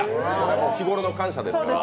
日頃の感謝ですから。